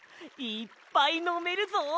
いっぱいのめるぞ！